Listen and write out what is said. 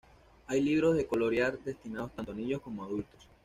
Hay libros de colorear destinados tanto a niños como adultos.